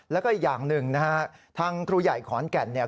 แล้วก็อีกอย่างหนึ่งนะฮะทางครูใหญ่ขอนแก่นเนี่ย